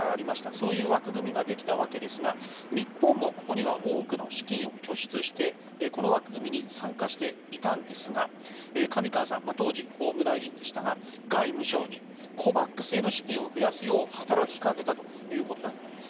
そういう枠組みができたわけですが日本も、ここには多くの資金を拠出してこの枠組みに参加していたんですが上川さん、当時法務大臣でしたが外務省にＣＯＶＡＸへの資金を増やすよう働きかけたということだったんです。